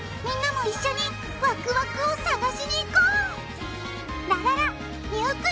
みんなも一緒にワクワクを探しにいこう。